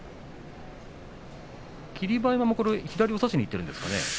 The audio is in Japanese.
霧馬山も左を差しにいっているんですかね。